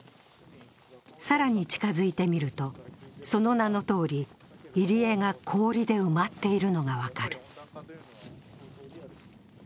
更に近づいてみると、その名のとおり入り江が氷で埋まっているのが分かる。